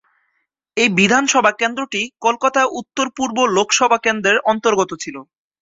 এই বিধানসভা কেন্দ্রটি কলকাতা উত্তর পূর্ব লোকসভা কেন্দ্রের অন্তর্গত ছিল।